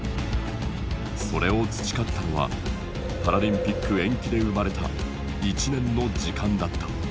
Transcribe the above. それを培ったのはパラリンピック延期で生まれた１年の時間だった。